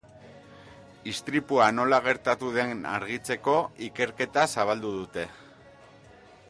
Istripua nola gertatu den argitzeko, ikerketa zabaldu dute.